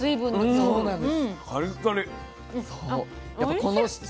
そうなんです。